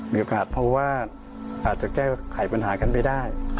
มีโอกาสเพราะว่าอาจจะแก้ไขปัญหากันไม่ได้